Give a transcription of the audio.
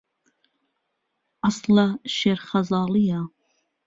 عهسڵه شێر خەزاڵيه